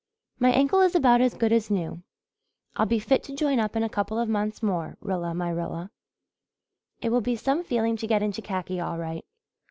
"My ankle is about as good as new. I'll be fit to join up in a couple of months more, Rilla my Rilla. It will be some feeling to get into khaki all right.